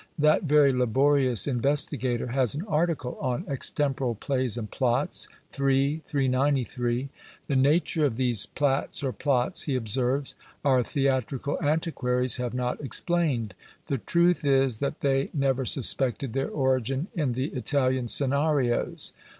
That very laborious investigator has an article on "Extemporal Plays and Plots," iii. 393. The nature of these "plats" or "plots" he observes, "our theatrical antiquaries have not explained." The truth is that they never suspected their origin in the Italian "scenarios."